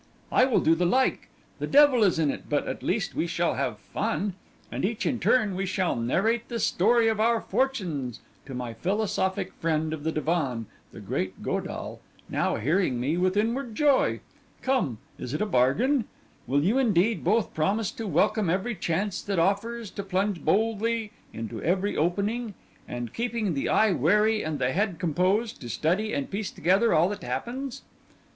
I will do the like; the devil is in it, but at least we shall have fun; and each in turn we shall narrate the story of our fortunes to my philosophic friend of the divan, the great Godall, now hearing me with inward joy. Come, is it a bargain? Will you, indeed, both promise to welcome every chance that offers, to plunge boldly into every opening, and, keeping the eye wary and the head composed, to study and piece together all that happens?